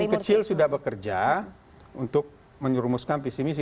yang kecil sudah bekerja untuk menyurumuskan visi misi